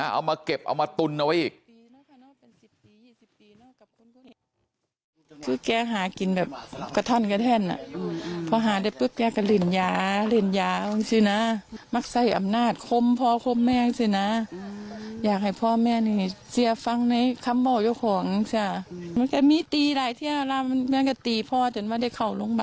เอามาเก็บเอามาตุนเอาไว้อีก